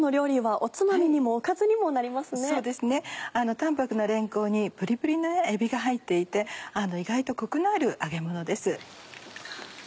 淡泊なれんこんにプリプリのえびが入っていて意外とコクのある揚げものです。